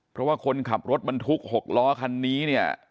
เพราะว่าคนขับรถบรรทุก๖ล้อคันนี้เนี่ย